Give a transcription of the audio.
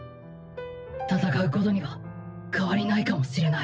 戦うことには変わりないかもしれない。